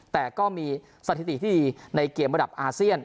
แต่ก็มีสถิติที่ดีในเกมระดับอาเซียน